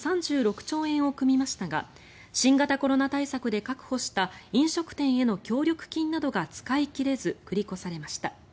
３６兆円を組みましたが新型コロナ対策で確保した飲食店への協力金などが使い切れず、繰り越されました。